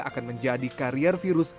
akan menjadi karier virus